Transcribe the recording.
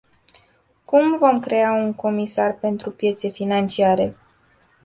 Cum vom crea un comisar pentru piețe financiare?